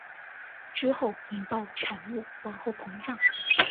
之后引爆产物往后膨胀。